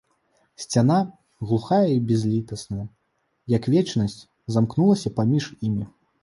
Сцяна, глухая і бязлітасная, як вечнасць, замкнулася паміж імі.